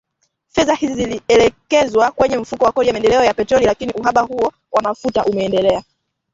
Fedha hizi zilielekezwa kwenye Mfuko wa Kodi ya Maendeleo ya Petroli lakini uhaba huo wa mafuta umeendelea .